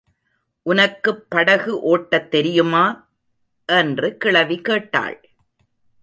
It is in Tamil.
உனக்குப் படகு ஒட்டத் தெரியுமா? என்று கிழவி கேட்டாள்.